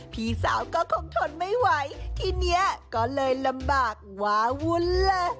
พี่สาวก็คงทนไม่ไหวทีนี้ก็เลยลำบากวาวุ้นเลย